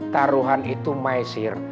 taruhan itu maesir